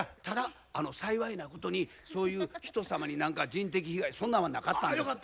ただ幸いなことにそういう人様に何か人的被害そんなんはなかったんです。